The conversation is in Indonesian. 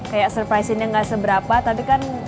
kayak surpriseinnya gak seberapa tapi kan